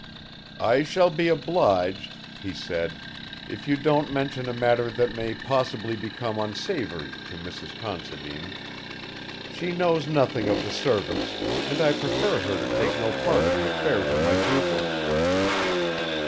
"I shall be obliged," he said, "if you don't mention a matter that may possibly become unsavoury, to Mrs. Considine. She knows nothing of the servants, and I prefer her to take no part in the affairs of my pupils."